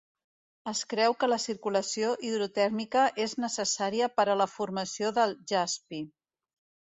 Es creu que la circulació hidrotèrmica és necessària per a la formació del jaspi.